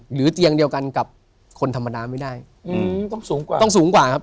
เตียงเดียวกันกับคนธรรมดาไม่ได้อืมต้องสูงกว่าต้องสูงกว่าครับ